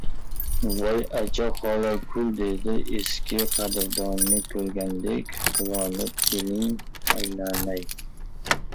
— Voy, Acha xola-ku! — dedi eski qadrdonini ko‘rgandek quvonib. — Keling, aylanay.